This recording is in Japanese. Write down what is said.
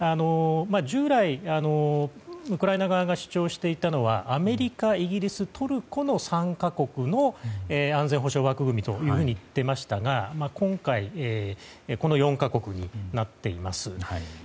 従来、ウクライナ側が主張していたのはアメリカ、イギリス、トルコの３か国の安全保障枠組みと言っていましたが今回この４か国になっています。